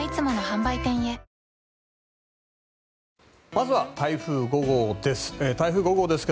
まずは台風５号です。